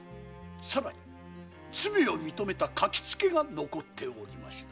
さらに罪を認めた書き付けが残っておりました。